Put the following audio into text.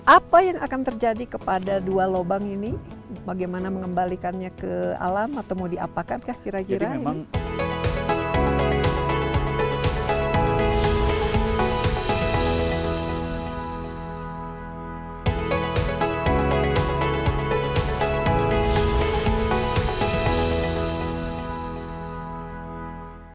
apa yang akan terjadi kepada dua lubang ini bagaimana mengembalikannya ke alam atau mau diapakan kah kira kira ini